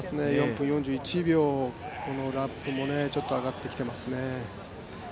４分４１秒のラップも上がってきてますね。